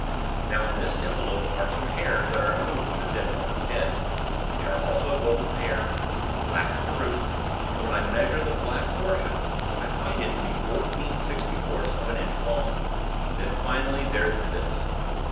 Now, in this envelope are some hairs that I removed from the dead woman's head. They also are golden hairs, black at the roots, and when I measure the black portion I find it to be fourteen sixty fourths of an inch long. Then, finally, there is this."